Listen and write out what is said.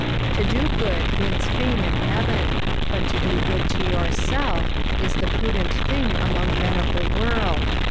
To do good wins fame in heaven, hut to do good to yourself is the prudent thing among men of the world.